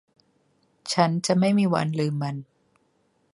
ฉันจะไม่มีวันลืมมัน